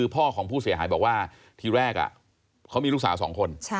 พ่อของผู้เสียหายบอกว่าทีแรกเขามีลูกสาว๒คน